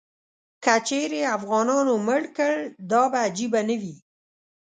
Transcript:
که چیرې افغانانو مړ کړ، دا به عجیبه نه وي.